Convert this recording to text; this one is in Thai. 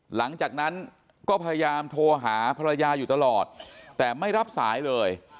หลังจากนั้นก็พยายามโทรหาภรรยาอยู่ตลอดแต่ไม่รับสายเลย